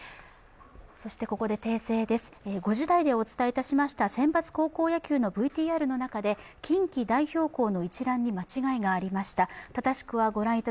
ここで訂正です、５時台にお伝えしました選抜高校野球のニュースの中で、近畿代表校の一覧に間違いがありました。